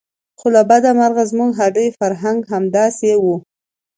خو له بده مرغه زموږ د هډې فرهنګ همداسې و.